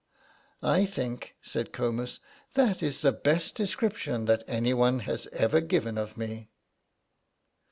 "I think," said Comus, "that is the best description that anyone has ever given of me."